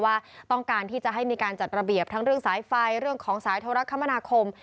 ว่าต้องการที่จะให้มีการจัดระเบียบทั้งเรื่องสายไฟเรื่องของสายโทรคมนาคม